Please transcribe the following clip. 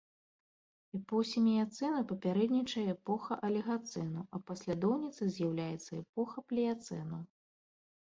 Эпосе міяцэну папярэднічае эпоха алігацэну, а паслядоўніцай з'яўляецца эпоха пліяцэну.